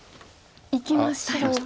いきましたよ。